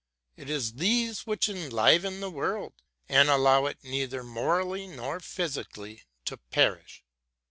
It is these which enliven the world, and allow it neither morally nor physically to perish.